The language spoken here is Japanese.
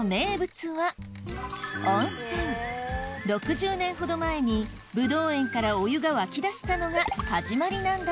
６０年ほど前にブドウ園からお湯が湧き出したのが始まりなんだ